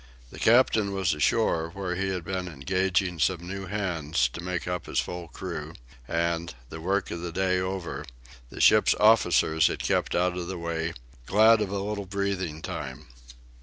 The captain was ashore, where he had been engaging some new hands to make up his full crew; and, the work of the day over, the ship's officers had kept out of the way, glad of a little breathing time.